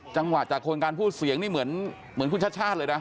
จังหวะจากคนการพูดเสียงนี่เหมือนคุณชาติชาติเลยนะ